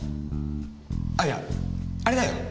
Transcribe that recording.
あいやあれだよ。